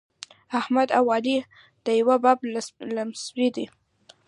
احمد او علي د یوه بابا لمسي دي.